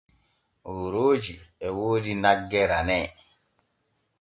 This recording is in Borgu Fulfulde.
Oorooji e woodi nagge ranee.